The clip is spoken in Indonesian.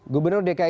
gubernur dki jakarta